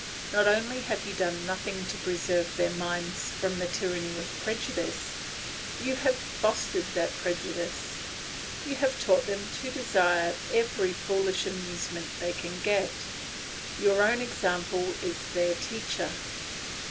Not only have you done nothing to preserve their minds from the tyranny of prejudice, you have fostered that prejudice; you have taught them to desire every foolish amusement they can get. Your own example is their teacher.